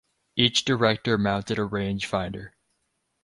Each director mounted a rangefinder.